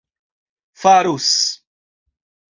farus